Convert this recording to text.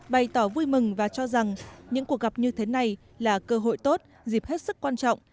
bày tỏ vui mừng và cho rằng những cuộc gặp như thế này là cơ hội tốt dịp hết sức quan trọng